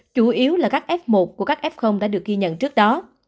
chủ yếu là các f một của các f đã được ghi nhận trước đó